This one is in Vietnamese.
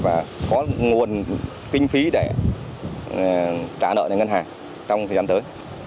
và có nguồn kinh phí để trả nợ cho ngân hàng trong thời gian tới